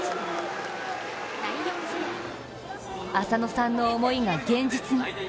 浅野さんの思いが現実に。